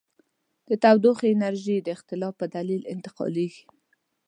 د تودوخې انرژي د اختلاف په دلیل انتقالیږي.